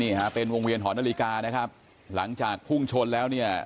ฮะเป็นวงเวียนหอนาฬิกานะครับหลังจากพุ่งชนแล้วเนี่ย